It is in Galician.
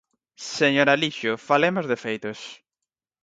Señor Alixo, falemos de feitos.